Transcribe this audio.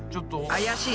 怪しい。